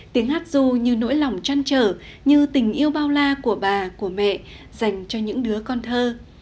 tiếng hát ru như nỗi lòng chăn trở như tình yêu bao la của bà của mẹ dành cho những đứa con thơ